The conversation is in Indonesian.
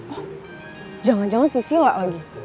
oh jangan jangan si sila lagi